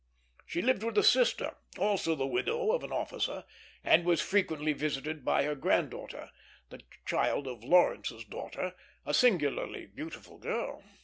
She lived with a sister, also the widow of an officer, and was frequently visited by her granddaughter, the child of Lawrence's daughter, a singularly beautiful girl.